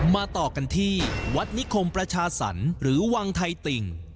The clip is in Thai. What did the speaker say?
มาต่อกันที่วัดนิคมประชาสรรค์หรือวังไทยติ่ง